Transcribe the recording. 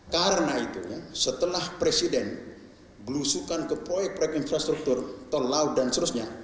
karena itu setelah presiden blusukan ke proyek proyek infrastruktur tol laut dan seterusnya